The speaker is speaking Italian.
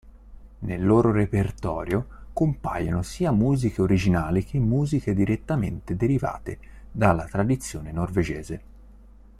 Nel loro repertorio compaiono sia musiche originali che musiche direttamente derivate dalla tradizione norvegese.